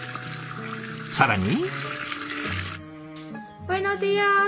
更に。